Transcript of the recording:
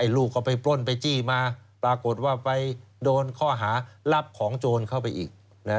ลูกก็ไปปล้นไปจี้มาปรากฏว่าไปโดนข้อหารับของโจรเข้าไปอีก